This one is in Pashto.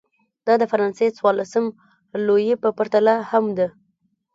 دا د فرانسې څوارلسم لويي په پرتله هم و.